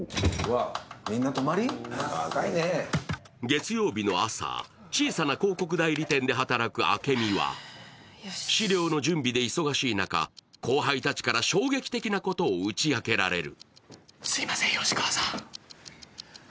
月曜日の朝、小さな広告代理店で働く朱海は、資料の準備で忙しい中、後輩たちから衝撃的なことを打ち明けられる。